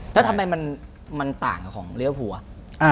แล้วทำไมมันต่างกับของลิเวอร์ฟูอ่ะ